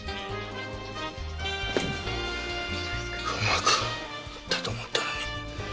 うまくいったと思ったのに。